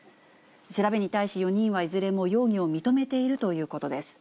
調べに対し４人はいずれも容疑を認めているということです。